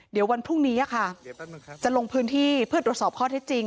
เดี๋ยววันพรุ่งนี้ค่ะจะลงพื้นที่เพื่อตรวจสอบข้อเท็จจริง